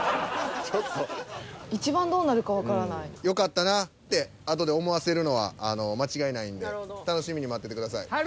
よかったなってあとで思わせるのは間違いないんで楽しみに待っててください。